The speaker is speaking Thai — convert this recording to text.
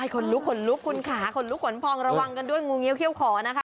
ขนลุกขนลุกคุณค่ะขนลุกขนพองระวังกันด้วยงูเงี้ยเขี้ยขอนะคะ